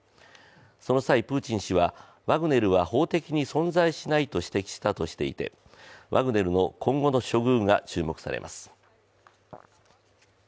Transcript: その際、プーチン氏は法的に存在しないと指摘したとしていて、ワグネルの今後の処遇が注目されます。